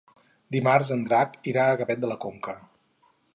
Dimarts en Drac irà a Gavet de la Conca.